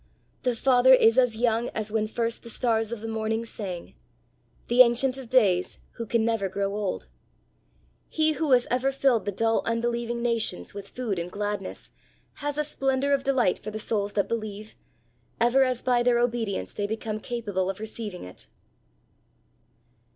The Father is as young as when first the stars of the morning sang the Ancient of Days who can never grow old! He who has ever filled the dull unbelieving nations with food and gladness, has a splendour of delight for the souls that believe, ever as by their obedience they become capable of receiving it."